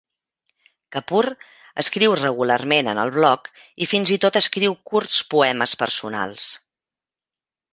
Kapur escriu regularment en el bloc, i fins i tot escriu curts poemes personals.